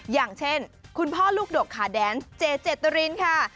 อย่างเช่นคุณพ่อลูกดกขาแดนเจเจตรินค่ะ